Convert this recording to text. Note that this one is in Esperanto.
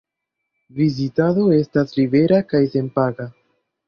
Vizitado estas libera kaj senpaga.